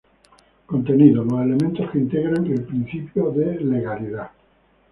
Contenido: los elementos que integran el principio de legalidad.